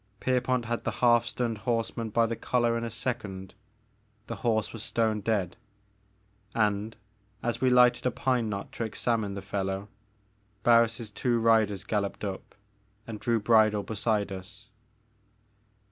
Pierpont had the half stunned horseman by the collar in a second, — ^the horse was stone dead, — and, as we lighted a pine knot to examine the fellow, Barris' two riders galloped up and drew bridle beside us.